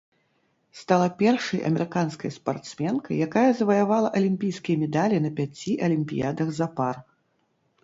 Стала першай амерыканскай спартсменкай, якая заваявала алімпійскія медалі на пяці алімпіядах запар.